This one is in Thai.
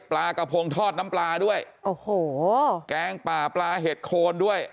ปลากระพงทอดน้ำปลาด้วยโอ้โหแกงป่าปลาเห็ดโคนด้วย